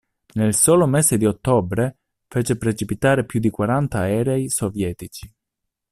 Nel solo mese di ottobre fece precipitare più di quaranta aerei sovietici.